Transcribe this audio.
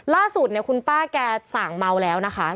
ล่าสุดนี่คุณป้ากล้าแกส่างเมาแล้วนะคะ